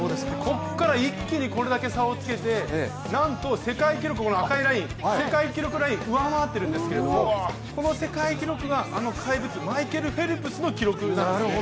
ここから一気にこれだけ差をつけてなんと世界記録、赤いライン、世界記録ラインを上回っているんですけれどもこの世界記録があの怪物マイケル・フェルプスの記録なんですよね。